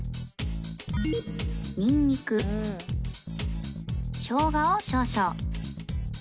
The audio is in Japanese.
ニンニクショウガを少々